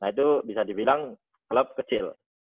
nah itu bisa dibilang klub kecil